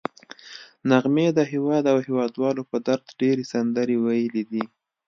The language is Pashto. نغمې د هېواد او هېوادوالو په درد ډېرې سندرې ویلي دي